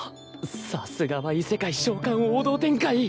さすがは異世界召喚王道展開！